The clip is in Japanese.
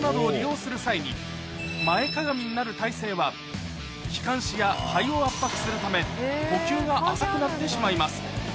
などを利用する際に前かがみになる体勢は気管支や肺を圧迫するため呼吸が浅くなってしまいます